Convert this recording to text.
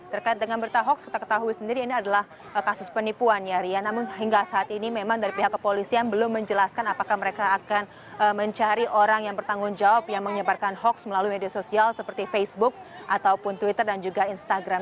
terkait dengan berita hoax kita ketahui sendiri ini adalah kasus penipuan ya rian namun hingga saat ini memang dari pihak kepolisian belum menjelaskan apakah mereka akan mencari orang yang bertanggung jawab yang menyebarkan hoax melalui media sosial seperti facebook ataupun twitter dan juga instagram